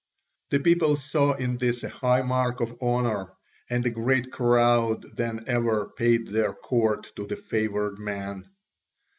The people saw in this a high mark of honour; and a greater crowd than ever paid their court to the favoured man.